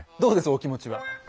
お気持ちは。